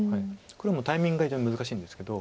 黒もタイミングが非常に難しいんですけど。